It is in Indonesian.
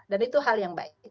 itu hal yang baik